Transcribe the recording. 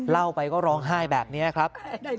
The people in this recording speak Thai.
เล่าไปก็ร้องไห้แบบนี้ครับ